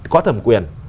có thẩm quyền